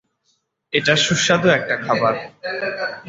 এটা সুস্বাদু একটা খাবার।